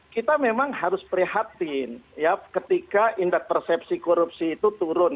kita memang harus prihatin ketika indeks persepsi korupsi itu turun